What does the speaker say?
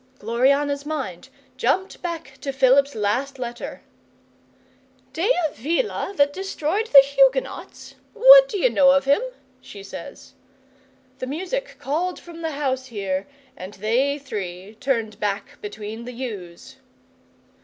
'Gloriana's mind jumped back to Philip's last letter. '"De Avila that destroyed the Huguenots? What d'you know of him?" she says. The music called from the house here, and they three turned back between the yews.